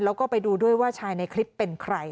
แล้วก็ไปดูด้วยว่าชายในคลิปเป็นใคร